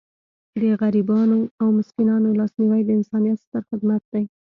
د غریبانو او مسکینانو لاسنیوی د انسانیت ستر خدمت دی.